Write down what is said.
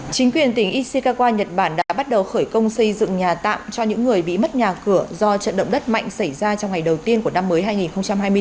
chính quyền tỉnh ishikawa nhật bản đã bắt đầu khởi công xây dựng nhà tạm cho những người bị mất nhà cửa do trận động đất mạnh xảy ra trong ngày đầu tiên của năm mới hai nghìn hai mươi bốn